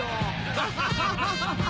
アハハハハ。